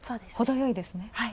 ほどよいですね。